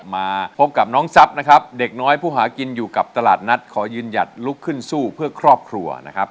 มาพบกับน้องทรัพย์นะครับเด็กน้อยผู้หากินอยู่กับตลาดนัดขอยืนหยัดลุกขึ้นสู้เพื่อครอบครัวนะครับ